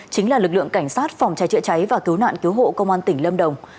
chính là lực lượng cảnh sát phòng cháy chữa cháy và cứu nạn cứu hộ công an tỉnh lâm đồng